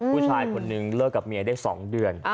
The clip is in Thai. ผู้ชายคนนึงเลิกกับเมียได้๒เดือน